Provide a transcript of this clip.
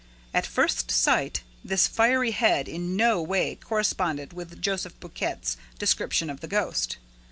At first sight, this fiery head in no way corresponded with Joseph Buquet's description of the ghost.